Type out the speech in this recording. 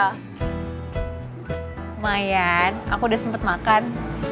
lumayan aku udah sempet makan